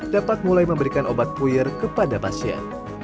dapat mulai memberikan obat puir kepada pasien